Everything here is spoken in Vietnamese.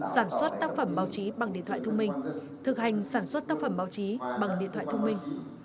sản xuất tác phẩm báo chí bằng điện thoại thông minh thực hành sản xuất tác phẩm báo chí bằng điện thoại thông minh